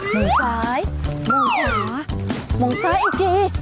มองซ้ายมองขวามองซ้ายอีกที